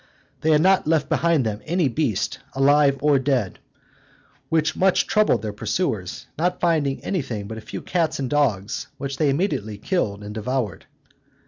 They had not left behind them any beast, alive or dead, which much troubled their pursuers, not finding anything but a few cats and dogs, which they immediately killed and devoured.